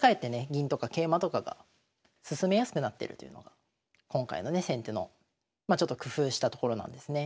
銀とか桂馬とかが進めやすくなってるというのが今回のね先手のまあちょっと工夫したところなんですね。